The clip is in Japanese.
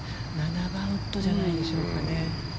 ７番ウッドじゃないでしょうかね。